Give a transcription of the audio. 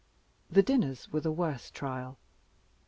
The dinners were the worst trial.